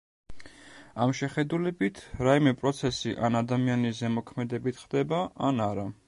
ამ შეხედულებით, რაიმე პროცესი ან ადამიანის ზემოქმედებით ხდება ან არა.